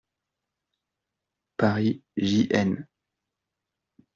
Paris, J.-N.